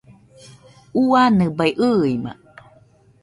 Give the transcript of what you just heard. ua nɨbai ɨima!